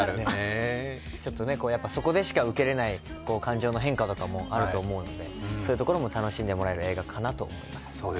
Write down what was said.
ちょっとね、そこでしか受けれない感情の変化とかもあるのでそういうところも楽しんでもらえる映画かなと思います。